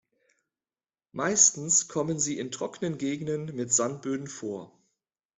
Meistens kommen sie in trockenen Gegenden mit Sandböden vor.